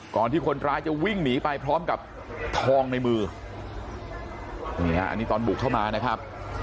ที่คนร้ายจะวิ่งหนีไปพร้อมกับทองในมือนี่ฮะอันนี้ตอนบุกเข้ามานะครับ